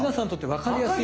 わかりやすい！